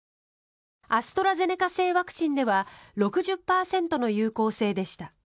アストラゼネカ製ワクチンでは６０％の有効性でした。